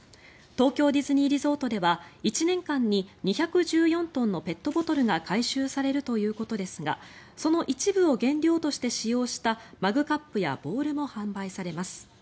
東京ディズニーリゾートでは１年間に２１４トンのペットボトルが回収されるということですがその一部を原料として使用したマグカップやボウルも販売されます。